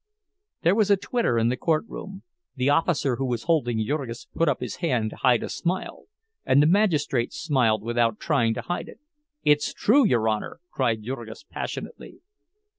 There was a titter in the courtroom; the officer who was holding Jurgis put up his hand to hide a smile, and the magistrate smiled without trying to hide it. "It's true, your Honor!" cried Jurgis, passionately.